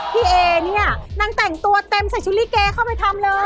เอเนี่ยนางแต่งตัวเต็มใส่ชุดลิเกเข้าไปทำเลย